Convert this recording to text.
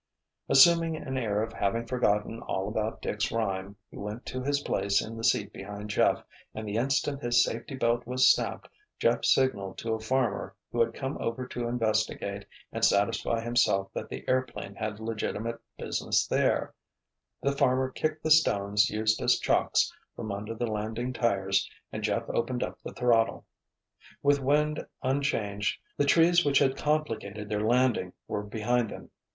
Assuming an air of having forgotten all about Dick's rhyme, he went to his place in the seat behind Jeff and the instant his safety belt was snapped Jeff signaled to a farmer who had come over to investigate and satisfy himself that the airplane had legitimate business there; the farmer kicked the stones used as chocks from under the landing tires and Jeff opened up the throttle. With wind unchanged the trees which had complicated their landing were behind them.